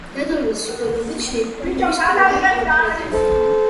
დედოფლის მცდელობით შეიქმნა რუმის პირველი პორტრეტი.